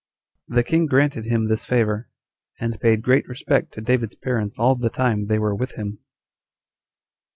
The king granted him this favor, and paid great respect to David's parents all the time they were with him.